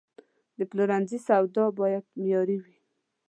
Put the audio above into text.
د پلورنځي سودا باید معیاري وي.